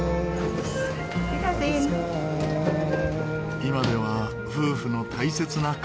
今では夫婦の大切な家族。